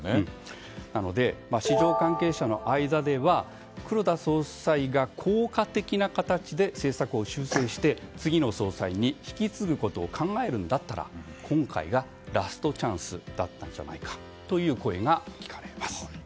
なので、市場関係者の間では黒田総裁が効果的な形で政策を修正して次の総裁に引き継ぐことを考えるんだったら今回がラストチャンスだったんじゃないかという声が聞かれます。